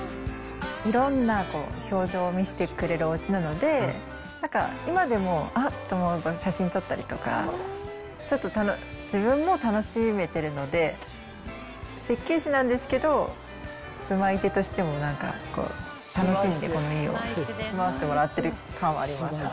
いろんな表情を見せてくれるおうちなので、なんか、今でもあっと思うと写真撮ったりとか、ちょっと自分も楽しめてるので、設計士なんですけど、住まい手としても、なんか楽しんで、この家を住まわせてもらってる感はあります。